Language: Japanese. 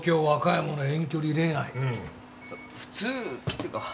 普通っていうか。